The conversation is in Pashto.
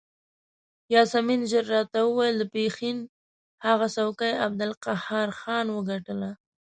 یاسمین ژر راته وویل د پښین هغه څوکۍ عبدالقهار خان وګټله.